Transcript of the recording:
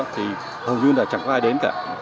thì hầu như là chẳng có ai đến cả